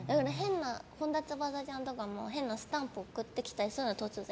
本田翼ちゃんも変なスタンプ送ってきたりするの、突然。